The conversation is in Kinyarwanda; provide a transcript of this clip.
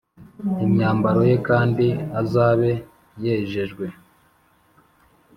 Imyambaro ye kandi azabe yejejwe